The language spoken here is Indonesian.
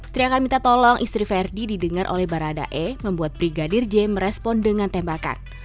teriakan minta tolong istri verdi didengar oleh baradae membuat brigadir j merespon dengan tembakan